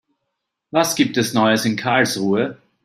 Was gibt es Neues in Karlsruhe?